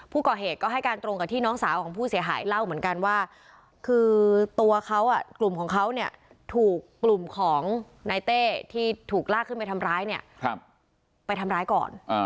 ผู้ก่อเหตุก็ให้การตรงกับที่น้องสาวของผู้เสียหายเล่าเหมือนกันว่าคือตัวเขากลุ่มของเขาเนี่ยถูกกลุ่มของนายเต้ที่ถูกลากขึ้นไปทำร้ายเนี่ยไปทำร้ายก่อน